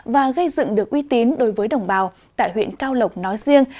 và gây dựng được uy tín đối với đồng bào tại huyện cao lộc nói riêng